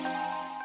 duh enak surga